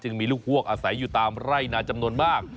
มีลูกฮวกอาศัยอยู่ตามไร่นาจำนวนมาก